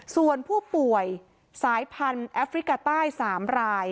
ส่วนผู้ป่วยสายพันธุ์แอฟริกาใต้๓ราย